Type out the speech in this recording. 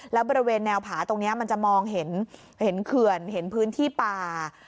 แล้วบริเวณแนวผาตรงนี้มันจะมองเห็นเขื่อนเห็นพื้นที่ป่า